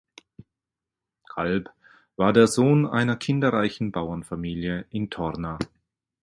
Kalb war der Sohn einer kinderreichen Bauernfamilie in Torna.